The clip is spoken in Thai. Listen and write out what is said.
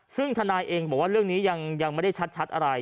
ซึ่งทนายเองบอกว่าเรื่องนี้ยังไม่ได้ชัดอะไร